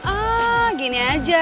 ah gini aja